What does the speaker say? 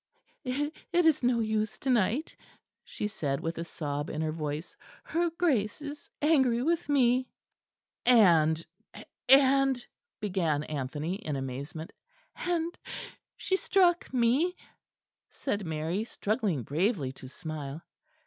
"It is no use to night," she said, with a sob in her voice; "her Grace is angry with me." "And, and " began Anthony in amazement. "And she struck me," said Mary, struggling bravely to smile.